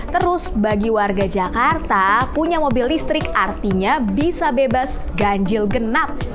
terus bagi warga jakarta punya mobil listrik artinya bisa bebas ganjil genap